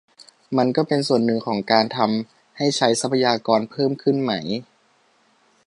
มันก็เป็นส่วนหนึ่งของการทำให้ใช้ทรัพยากรเพิ่มขึ้นไหม